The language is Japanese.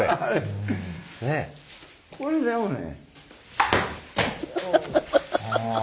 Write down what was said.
これでもね。